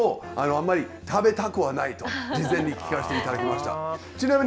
だから本人もあまり食べたくないと、事前に聞かせていただきました。